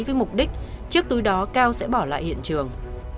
với mục đích chiếc túi đó cao sẽ bỏ lại hiện trường